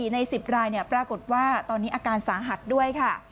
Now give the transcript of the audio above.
ใน๑๐รายปรากฏว่าตอนนี้อาการสาหัสด้วยค่ะ